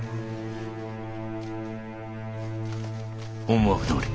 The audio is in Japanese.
思惑どおり。